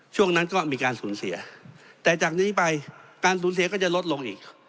ช่วงนั้นก็มีการสูญเสียแต่จากนี้ไปการสูญเสียก็จะลดลงอีก